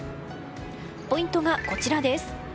ポイントがこちらです。